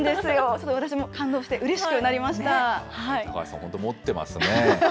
ちょっと私も感動して、うれしく高橋さん、本当、持ってますね。